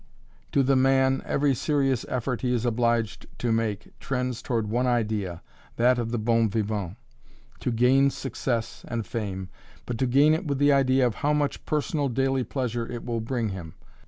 To the man, every serious effort he is obliged to make trends toward one idea that of the bon vivant to gain success and fame, but to gain it with the idea of how much personal daily pleasure it will bring him.